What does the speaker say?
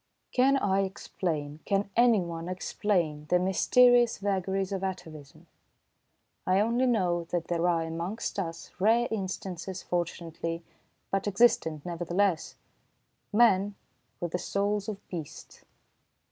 Can I explain, can anyone explain, the mysterious vagaries of atavism? I only know that there are amongst us, rare instances fortunately, but existent nevertheless men with the souls of beasts.